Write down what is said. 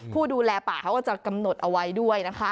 ผู้ดูแลป่าเขาก็จะกำหนดเอาไว้ด้วยนะคะ